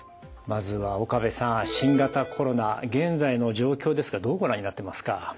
まずは岡部さん新型コロナ現在の状況ですがどうご覧になってますか？